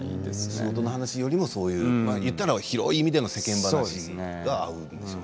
仕事の話よりも言ったら広い意味での世間話が合う。